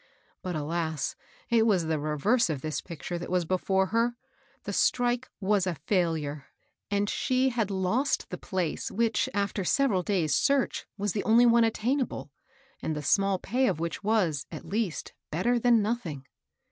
But, alas I it was the reverse of this picture that was before her. The s\x\kQ ^ ^a ^ %s^cQxa\ 174 MABEL ROSS. and she had lost the place, which, after several days' search, was the only one attainable, and the small pay of which was, at least, better than noth*^ ing.